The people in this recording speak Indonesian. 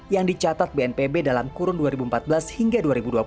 yang dicatat bnpb dalam kurun dua ribu empat belas hingga dua ribu dua puluh